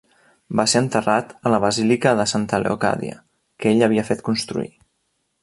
Va ser enterrat a la basílica de Santa Leocàdia, que ell havia fet construir.